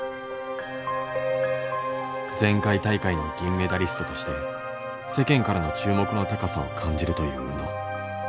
前回大会の銀メダリストとして世間からの注目の高さを感じるという宇野。